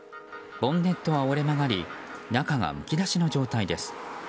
ボンネットは折れ曲がり中がむき出しの状態です。